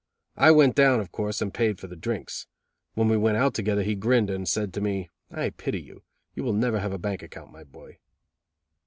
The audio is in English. I went down, of course, and paid for the drinks. When we went out together, he grinned, and said to me: "I pity you. You will never have a bank account, my boy."